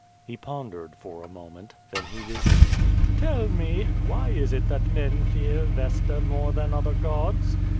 He pondered for a moment. Then he resumed: "Tell mo, why is it that men fear Vesta more than other gods.